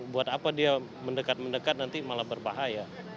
buat apa dia mendekat mendekat nanti malah berbahaya